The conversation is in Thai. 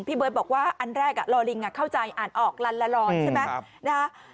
เบิร์ตบอกว่าอันแรกลอลิงเข้าใจอ่านออกลันละลอนใช่ไหม